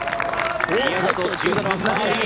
１７番、バーディー！